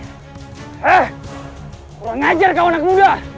hei kurang ajar kau anak muda